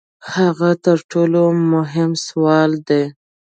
هغه تر ټولو مهم سوال دی.